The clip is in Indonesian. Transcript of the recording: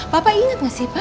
papa inget gak sih pak